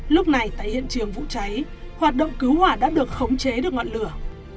lúc này tại hiện trường vụ cháy hoạt động cứu hỏa đã được khống chế được ngọn lửa